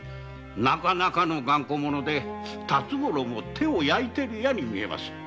なかなかの頑固者で辰五郎も手を焼いてるようですな。